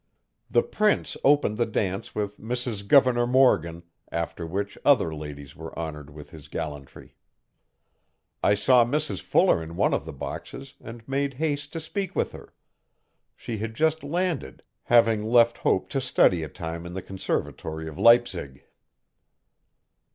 The Prince opened the dance with Mrs Governor Morgan, after which other ladies were honoured with his gallantry. I saw Mrs Fuller in one of the boxes and made haste to speak with her. She had just landed, having left Hope to study a time in the Conservatory of Leipzig.